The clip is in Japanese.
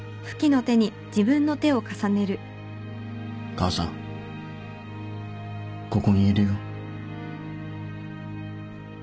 母さんここにいるよ。